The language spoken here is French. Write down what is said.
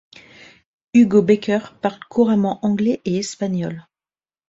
Hugo Becker parle couramment anglais et espagnol.